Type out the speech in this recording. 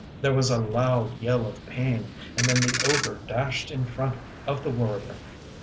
There was a loud yell of pain, and then the ogre dashed in front of the warrior.